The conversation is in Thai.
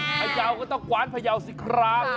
พญาวก็ต้องกวานพญาว๑๐ครั้ง